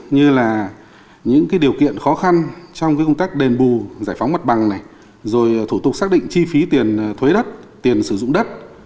như là những điều kiện khó khăn trong công tác đền bù giải phóng mặt bằng này rồi thủ tục xác định chi phí tiền thuế đất tiền sử dụng đất